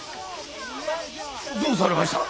どうされました？